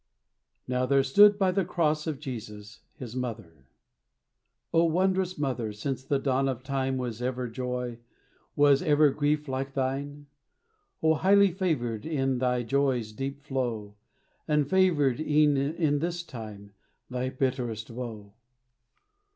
"Now there stood by the cross of Jesus his mother." O wondrous mother! Since the dawn of time Was ever joy, was ever grief like thine? O, highly favored in thy joy's deep flow, And favored e'en in this, thy bitterest woe!